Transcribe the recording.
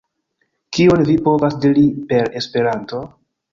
Kion vi povas diri per Esperanto?